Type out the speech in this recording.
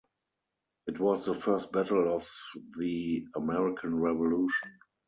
It was the first battle of the American Revolution.